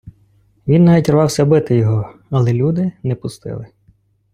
Він навіть рвався бити його, але люди не пустили.